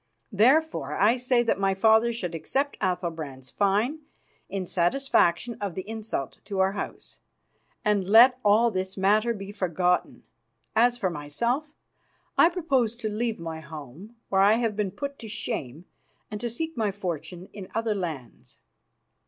Therefore I say that my father should accept Athalbrand's fine in satisfaction of the insult to our House, and let all this matter be forgotten. As for myself, I purpose to leave my home, where I have been put to shame, and to seek my fortune in other lands."